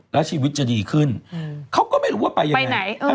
แล้วชีวิตจะดีขึ้นเขาก็ไม่รู้ว่าไปยังไง